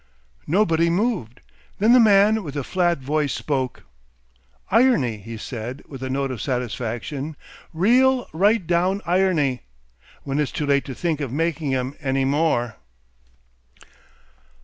Nobody moved. Then the man with the flat voice spoke. "Irony!" he said, with a note of satisfaction. "Real rightdown Irony! When it's too late to think of making 'em any more!"